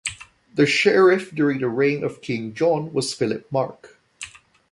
The Sheriff during the reign of King John was Philip Marc.